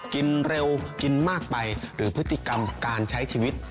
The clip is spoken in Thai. กินเร็วกินมากไปหรือพฤติกรรมการใช้ชีวิต